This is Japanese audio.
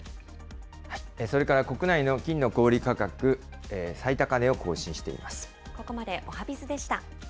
それから国内の金の小売り価格、最高値を更新しています。